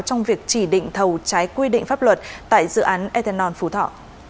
trong việc chỉ định thầu trái quy định pháp luật tại dự án ethanol phú thọ